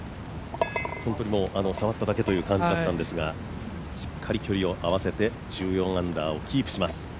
本当に触っただけという感じだったんですがしっかり距離を合わせて、１４アンダーをキープします。